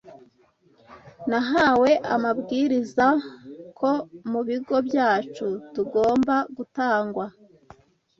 Nahawe amabwiriza ko mu bigo byacu hagomba gutangwa